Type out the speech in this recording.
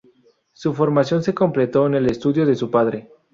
Su formación se completó en el estudio de su padre.